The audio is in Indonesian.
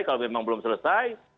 kalau memang belum selesai